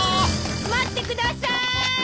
待ってくださーい！